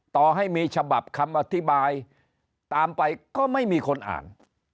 ต่อให้มีฉบับคำอธิบายตามไปก็ไม่มีคนอ่าน